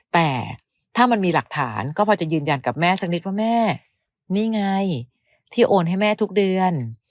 แต่ถ้ามันมีหลักฐานก็พอจะยืนยันกับแม่สักนิดว่าแม่นี่ไงที่โอนให้แม่ทุกเดือน